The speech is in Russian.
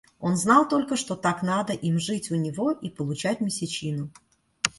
Он знал только, что так надо им жить у него и получать месячину.